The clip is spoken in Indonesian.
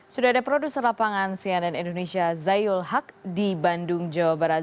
sudah ada produser lapangan cnn indonesia zayul haq di bandung jawa barat